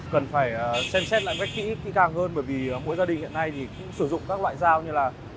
cần phải xem xét lại vết kỹ kỹ càng hơn bởi vì mỗi gia đình hiện nay thì cũng sử dụng các loại dao như là